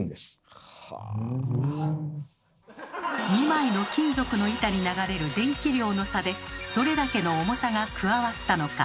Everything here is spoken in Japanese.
２枚の金属の板に流れる電気量の差で「どれだけの重さが加わったのか」